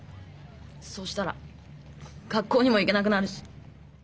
そしたら学校にも行けなくなるし。